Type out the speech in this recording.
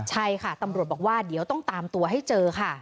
ใช่ค่ะตำรวจบอกว่าเดี๋ยวต้องตามตัวให้เจอค่ะ